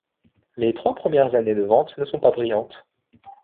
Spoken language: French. Les trois premières années de ventes ne sont pas brillantes.